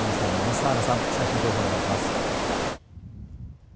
田原さん、最新情報をお願いします。